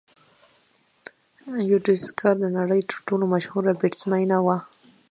یوديوسکر د نړۍ تر ټولو مشهوره بیټسمېنه وه.